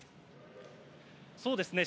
そうですね。